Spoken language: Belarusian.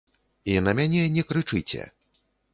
І на мяне не крычыце!